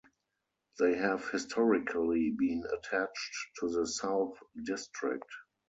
They have historically been attached to the South District.